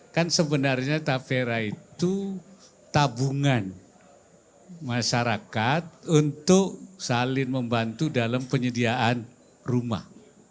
kan sebenarnya tafera itu tabungan masyarakat untuk saling membantu dalam penyediaan rumah